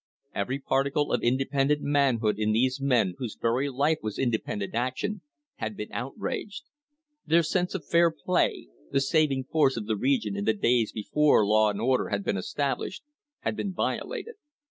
Every particle of independent manhood in these men whose very life was independent action had been outraged. Their sense of fair play, the saving force of the region in the days before law and order had been established, had been violated.